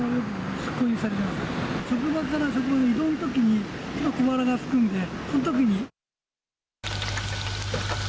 職場から職場の移動のときに小腹がすくんで、そのときに。